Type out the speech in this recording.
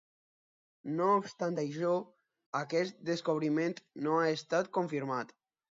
No obstant això, aquest descobriment no ha estat confirmat.